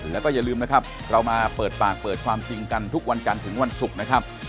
แล้วก็อย่าลืมนะครับเรามาเปิดปากเปิดความจริงกันทุกวันจันทร์ถึงวันศุกร์นะครับ